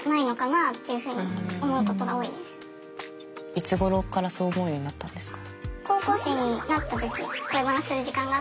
いつごろからそう思うようになったんですか？